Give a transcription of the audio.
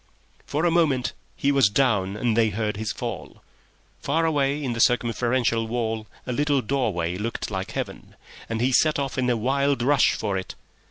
For a moment he was down and they heard his fall. Far away in the circumferential wall a little doorway looked like Heaven, and he set off in a wild rush for it.